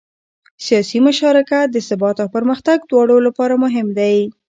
سیاسي مشارکت د ثبات او پرمختګ دواړو لپاره مهم دی